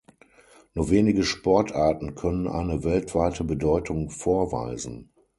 Nur wenige Sportarten können eine weltweite Bedeutung vorweisen.